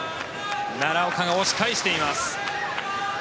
奈良岡が押し返しています。